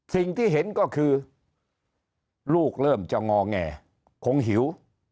สิ่งที่เห็นก็คือลูกเริ่มจะงอแงคงหิว